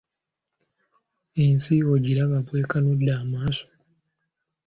Ensi ogiraba bw'ekanudde amaaso?